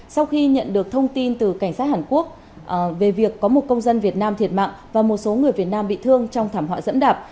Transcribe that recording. sau khi nhận được thông tin từ cảnh sát hàn quốc về việc có một công dân việt nam thiệt mạng và một số người việt nam bị thương trong thảm họa dẫm đạp